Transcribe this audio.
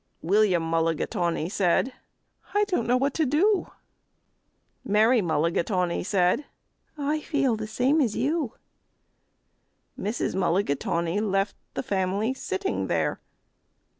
William Mulligatawny said, "I don't know what to do." Mary Mulligatawny said, "I feel the same as you." Mrs. Mulligatawny left the family sitting there.